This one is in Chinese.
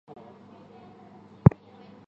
山东抗日根据地设。